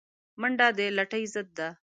منډه د لټۍ ضد ده